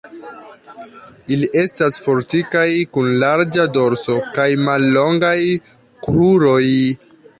Ili estas fortikaj, kun larĝa dorso kaj mallongaj kruroj.